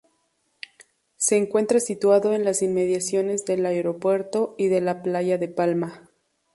Se encuentra situado en las inmediaciones del aeropuerto y de la Playa de Palma.